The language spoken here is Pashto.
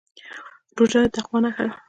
روژه د تقوا نښه ده.